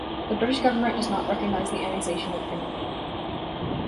The British government does not recognise the annexation of Crimea.